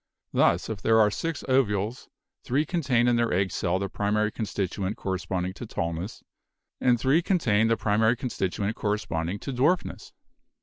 Thus, if there are six ovules, three contain in their egg cell the primary con stituent corresponding to tallness, and three contain the HEREDITY 255 primary constituent corresponding to dwarfness.